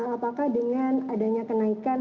apakah dengan adanya kenaikan